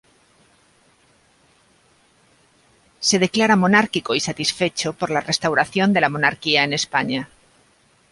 Se declara monárquico y satisfecho por la restauración de la Monarquía en España.